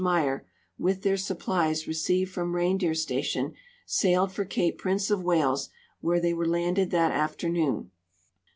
Meyer, Avith their supplies re ceived from reindeer station, sailed for cape Prince of Whiles, Avhere they Avere landed that afternoon.